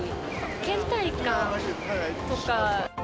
けん怠感とか。